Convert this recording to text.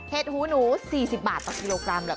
เห็ดหูหนู๔๐บาทต่อกิโลกรัม